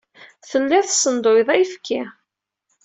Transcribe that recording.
Telliḍ tessenduyeḍ ayefki.